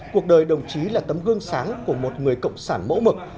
cuộc đời đồng chí là tấm gương sáng của một người cộng sản mẫu mực